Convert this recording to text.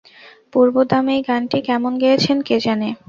পূর্ব দাম এই গানটি কেমন গেয়েছেন কে জানে!